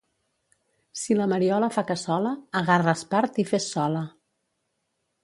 Si la Mariola fa cassola, agarra espart i fes sola.